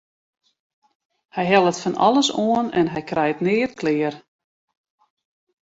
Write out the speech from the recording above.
Hy hellet fan alles oan en hy krijt neat klear.